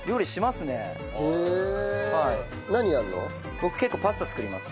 僕結構パスタ作ります。